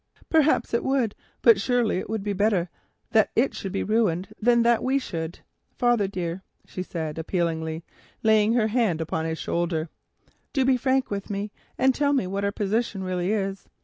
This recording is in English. "Perhaps it would, but surely it would be better that the land should be ruined than that we should be. Father, dear," she said appealingly, laying one hand upon his shoulder, "do be frank with me, and tell me what our position really is.